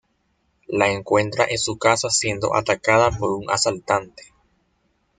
La encuentra en su casa siendo atacada por un asaltante.